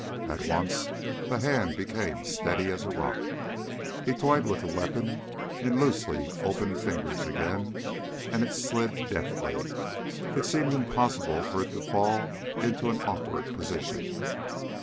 At once the hand became steady as a rock. He toyed with the weapon in loosely opened fingers again, and it slid deftly. It seemed impossible for it to fall into an awkward position.